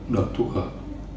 được thu hợp